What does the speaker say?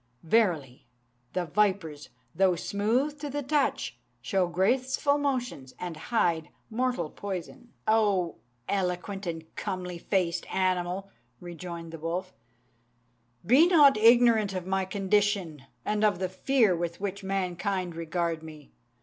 Verily, the vipers, though smooth to the touch, show graceful motions, and hide mortal poison.'" "O eloquent and comely faced animal!" rejoined the wolf, "be not ignorant of my condition, and of the fear with which mankind regard me.